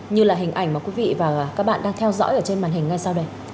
như là hình ảnh mà quý vị và các bạn đang theo dõi ở trên màn hình ngay sau đây